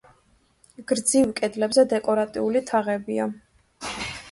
გრძივ კედლებზე დეკორატიული თაღებია.